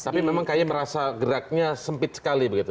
tapi memang kayaknya merasa geraknya sempit sekali begitu